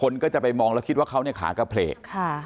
แล้วคิดว่าเขาเนี่ยขากระเพลก